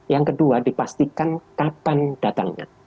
yang kedua dipastikan kapan datangnya